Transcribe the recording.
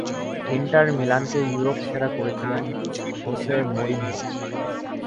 Inter মিলানকে Europe সেরা করেছিলেন হোসে মরিনহো।